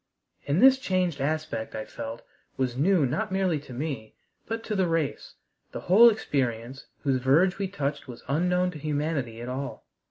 And this changed aspect I felt was new not merely to me, but to the race. The whole experience whose verge we touched was unknown to humanity at all.